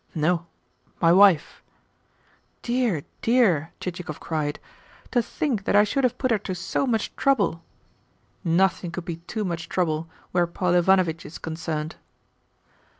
"No; my wife." "Dear, dear!" Chichikov cried. "To think that I should have put her to so much trouble!" "NOTHING could be too much trouble where Paul Ivanovitch is concerned."